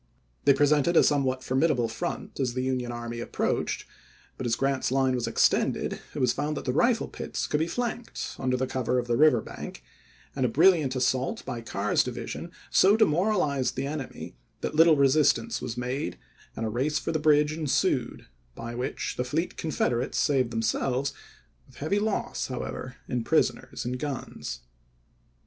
They presented a somewhat formidable front as the Union army approached, but as Grant's line was extended it was found that the rifle pits could be flanked, under the cover of the river bank, and a brilliant assault, by Carr's division, so demoralized the enemy that little resistance was made, and a race for the bridge ensued, by which the fleet Confederates saved themselves, with heavy loss, however, in prisoners and guns.